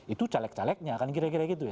itu caleg calegnya kan kira kira gitu ya